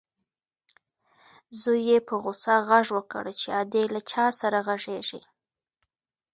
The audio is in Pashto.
زوی یې په غوسه غږ وکړ چې ادې له چا سره غږېږې؟